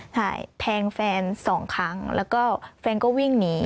ใช่แทงแฟนสองครั้งแล้วก็แฟนก็วิ่งหนี